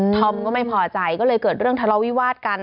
อมก็ไม่พอใจก็เลยเกิดเรื่องทะเลาวิวาสกัน